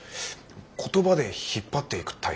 言葉で引っ張っていくタイプ